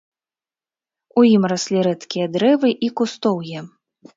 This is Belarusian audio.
У ім раслі рэдкія дрэвы і кустоўе.